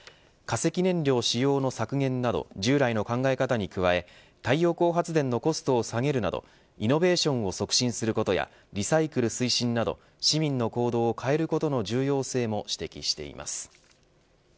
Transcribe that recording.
化石燃料使用の削減など従来の考え方に加え太陽光発電のコストを下げるなどイノベーションを促進することやリサイクル推進など市民の行動を変えることの重要性も指摘しています。